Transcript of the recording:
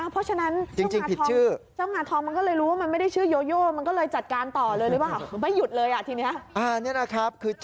เพราะฉะนั้นเจ้างาทองมันก็เลยรู้ว่ามันไม่ได้ชื่อโยโย